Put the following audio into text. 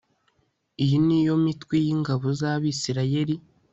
iyi ni yo mitwe y'ingabo z'abisirayeli